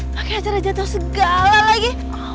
pakai acara jatuh segala lagi